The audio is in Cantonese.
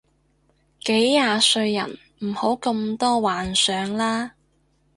幾廿歲人唔好咁多幻想啦